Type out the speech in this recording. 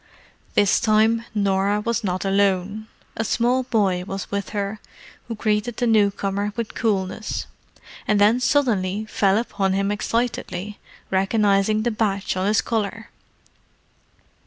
This time Norah was not alone. A small boy was with her, who greeted the newcomer with coolness, and then suddenly fell upon him excitedly, recognizing the badge on his collar.